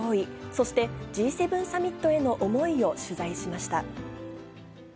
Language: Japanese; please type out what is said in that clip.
そして、Ｇ７サミットへの思いを取材しました。